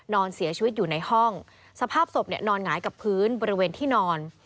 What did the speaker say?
นอนเสียชีวิตอยู่ในห้องสภาพศพเนี่ยนอนหงายกับพื้นบริเวณที่นอน